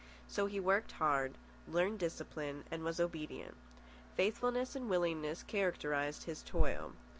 So he worked hard, learned discipline, and was obedient. Faithfulness and willingness characterised his toil.